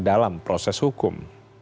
dalam proses hukum